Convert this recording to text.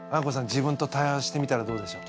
自分と対話してみたらどうでしょう？